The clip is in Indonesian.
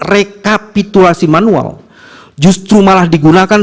rekapitulasi manual justru malah digunakan